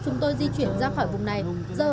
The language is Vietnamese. chúng tôi di chuyển ra khỏi vùng này giờ